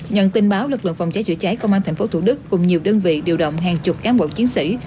nhận tin báo lực lượng phòng cháy chữa cháy công an tp thủ đức cùng nhiều đơn vị điều động hàng chục cán bộ chiến sĩ